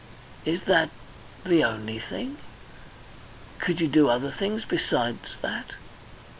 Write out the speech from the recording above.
"Is that the only thing. Could you do other things besides that?"